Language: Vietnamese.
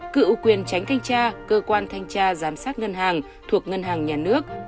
cựu quyền tránh thanh tra cơ quan thanh tra giám sát ngân hàng thuộc ngân hàng nhà nước